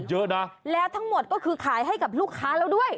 เยอะนะแล้วทั้งหมดก็คือขายให้กับลูกค้าแล้วด้วย